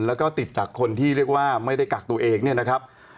แล้วก็ติดจากคนที่เรียกว่าไม่ได้กักตัวเองเนี่ยนะครับ